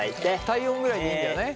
体温ぐらいでいいんだよね。